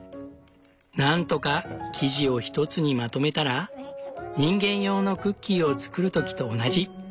何とか生地を一つにまとめたら人間用のクッキーを作る時と同じ。